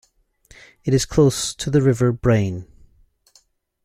It is close to the River Brain.